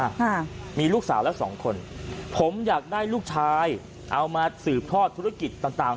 ค่ะมีลูกสาวแล้วสองคนผมอยากได้ลูกชายเอามาสืบทอดธุรกิจต่างต่าง